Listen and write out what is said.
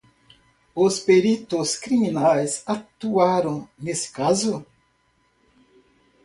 Os peritos criminais atuaram nesse caso.